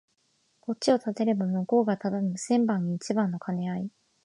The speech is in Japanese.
こっちを立てれば向こうが立たぬ千番に一番の兼合い